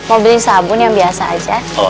mau beli sabun yang biasa aja